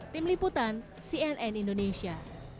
tim liputan cnn indonesia